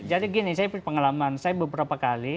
jadi gini saya pengalaman saya beberapa kali